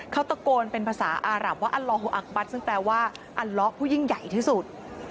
เขาตะโกนเป็นภาษาอารับว่าอัลลอโฮอักบัสซึ่งแปลว่าอัลละผู้ยิ่งใหญ่ที่สุด